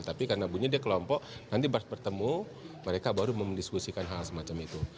tapi karena bunyi dia kelompok nanti pas bertemu mereka baru mendiskusikan hal semacam itu